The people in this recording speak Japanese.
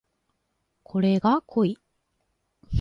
これが濃い